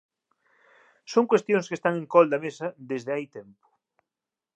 Son cuestións que están encol da mesa desde hai tempo.